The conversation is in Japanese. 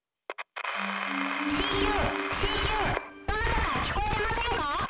どなたか聞こえてませんか？」。